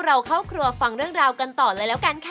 เราเข้าครัวฟังเรื่องราวกันต่อเลยแล้วกันค่ะ